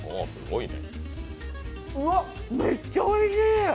うわ、めっちゃおいしい。